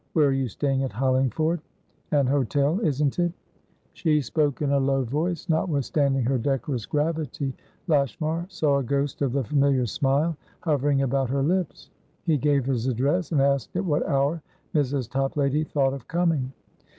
Where are you staying in Hollingford? An hotel, isn't it?" She spoke in a low voice. Notwithstanding her decorous gravity, Lashmar saw a ghost of the familiar smile hovering about her lips. He gave his address, and asked at what hour Mrs. Toplady thought of coming.